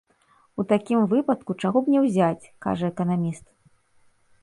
У такім выпадку чаго б не ўзяць, кажа эканаміст.